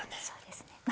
そうですね